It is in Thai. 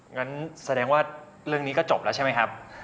งั้นแสดงว่าเรื่องนี้ก็จบแล้วใช่ไหมครับ